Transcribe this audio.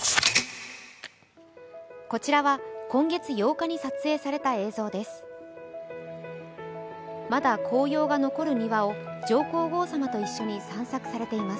こちらは今月８日に撮影された映像です。